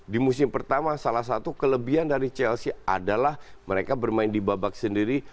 di musim pertama salah satu kelebihan dari chelsea adalah mereka bermain di babak sendiri